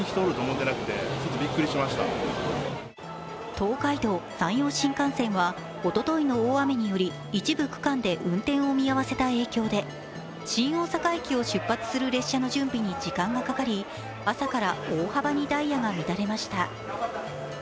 東海道・山陽新幹線はおとといの大雨により一部区間で運転を見合わせた影響で新大阪駅を出発する列車の準備に時間がかかり朝から大幅にダイヤが乱れました。